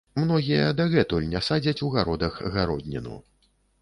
Многія дагэтуль не садзяць у гародах гародніну.